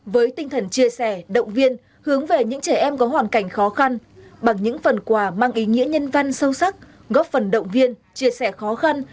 với tinh thần chia sẻ động viên hướng về những trẻ em có hoàn cảnh khó khăn bằng những phần quà mang ý nghĩa nhân văn sâu sắc góp phần động viên chia sẻ khó khăn